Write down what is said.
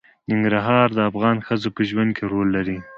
ننګرهار د افغان ښځو په ژوند کې رول لري.